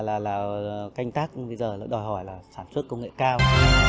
cây canh tác bây giờ đòi hỏi là sản xuất công nghệ cao